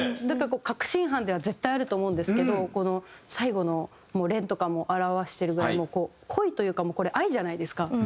だから確信犯では絶対あると思うんですけど最後の連とかも表してるぐらい恋というかもうこれ愛じゃないですか。